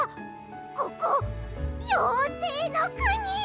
ここようせいのくに！？